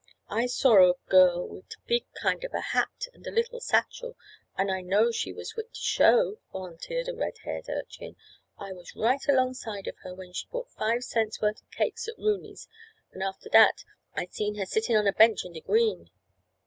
"I sawr a girl wit a big kind of a hat and a little satchel, an' I know she was wit de show," volunteered a red haired urchin. "I was right alongside of her when she bought five cents' wort' of cakes at Rooney's, an' after dat I seen her sittin' on a bench in de green."